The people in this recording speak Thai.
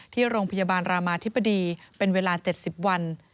ที่โรงพยาบาลรามาธิบดีเป็นเวลา๗๐วัน